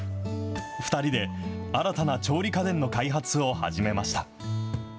２人で新たな調理家電の開発を始めました。